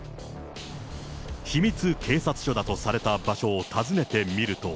秘密警察署だとされた場所を訪ねてみると。